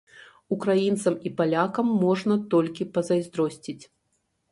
Украінцам і палякам можна толькі пазайздросціць.